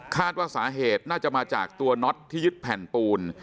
ว่าสาเหตุน่าจะมาจากตัวน็อตที่ยึดแผ่นปูน